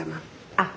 あっ。